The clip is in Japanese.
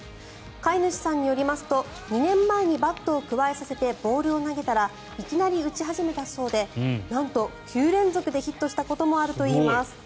飼い主さんによりますと２年前にバットをくわえさせてボールを投げたらいきなり打ち始めたそうでなんと９連続でヒットしたこともあるといいます。